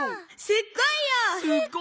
すっごいよ！